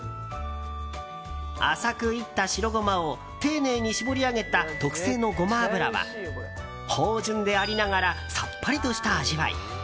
浅く煎った白ゴマを丁寧に搾り上げた特製のゴマ油は芳醇でありながらさっぱりとした味わい。